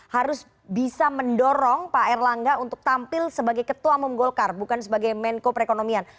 harus bisa mendorong pak erlangga untuk tampil sebagai ketua umum golkar bukan sebagai menko perekonomian